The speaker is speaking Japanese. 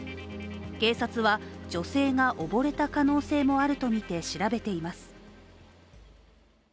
警察は女性が溺れた可能性もあるとみて調べています。